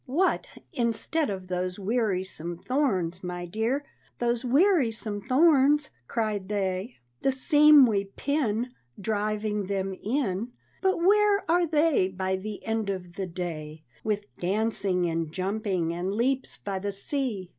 "What, instead of those wearisome thorns, my dear, Those wearisome thorns?" cried they. "The seam we pin Driving them in, But where are they by the end of the day, With dancing, and jumping, and leaps by the sea?